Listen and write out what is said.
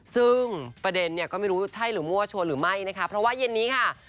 ซึ่งประเด็นเนี่ยก็ไม่รู้ใช่หรือมั่วชวนหรือไม่นะคะเพราะว่าเย็นนี้ค่ะ